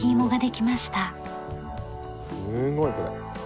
すごいこれ。